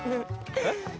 えっ？